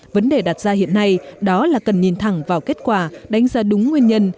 vấn đề đặt ra hiện nay đó là cần nhìn thẳng vào kết quả đánh giá đúng nguyên nhân